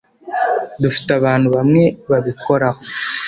dufite abantu bamwe babikoraho